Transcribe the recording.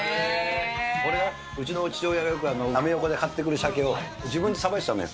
これ、うちの父親がよくアメ横で買ってくるシャケを自分でさばいてたのよ。